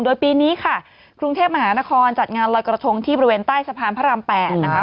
โดยปีนี้ค่ะกรุงเทพมหานครจัดงานลอยกระทงที่บริเวณใต้สะพานพระราม๘นะคะ